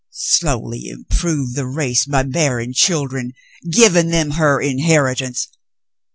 Slowly improve the race by bearing children — giving them her inheritance